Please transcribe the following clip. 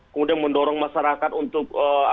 kemudian mendorong masyarakat untuk